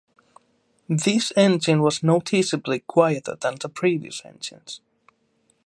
This engine was noticeably quieter than the previous engines.